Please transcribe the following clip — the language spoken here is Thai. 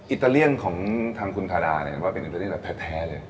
อิตาเลียนของทางคุณทาดาเนี่ยว่าเป็นอิตาเลียนแบบแท้เลย